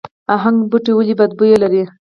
هنګ بوټی ولې بد بوی لري؟